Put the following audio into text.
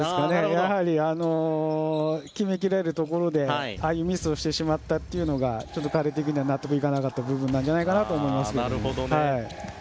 やはり決めきれるところでああいうミスをしてしまったというのがちょっと彼的に納得いかなかった部分なんじゃないかなと思いますね。